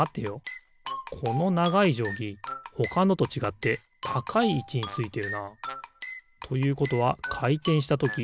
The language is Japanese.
このながいじょうぎほかのとちがってたかいいちについてるな。ということはかいてんしたとき